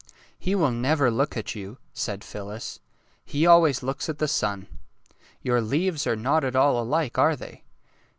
'' He will never look at you," said Phyllis. '' He always looks at the sun. Your leaves are not at all alike, are they?